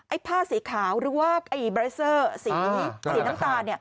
ผ้าสีขาวหรือว่าไอ้บรายเซอร์สีน้ำตาล